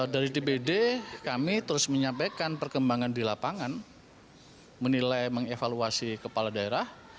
dari dpd kami terus menyampaikan perkembangan di lapangan menilai mengevaluasi kepala daerah